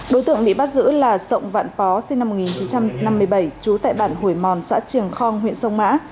đối tượng bị bắt giữ là sộng vạn phó sinh năm một nghìn chín trăm năm mươi bảy trú tại bản hủy mòn xã trường khong huyện sông mã